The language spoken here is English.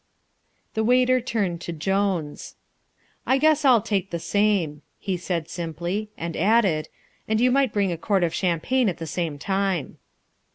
The waiter turned to Jones. "I guess I'll take the same," he said simply, and added; "and you might bring a quart of champagne at the same time."